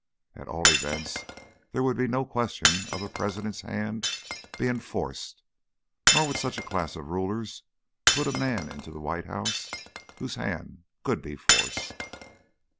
At all events, there would be no question of a President's hand being forced. Nor would such a class of rulers put a man in the White House whose hand could be forced.